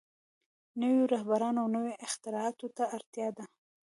نويو رهبرانو او نويو اختراعاتو ته اړتيا ده.